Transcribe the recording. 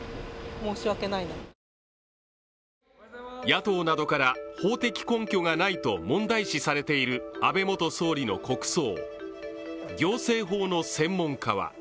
野党などから法的根拠がないと問題視されている安倍元総理の国葬。